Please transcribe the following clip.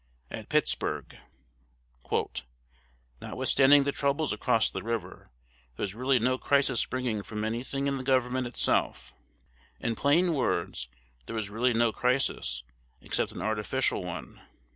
At Pittsburg: "Notwithstanding the troubles across the river, _there is really no crisis springing from any thing in the Government itself. In plain words, there is really no crisis, except an artificial one.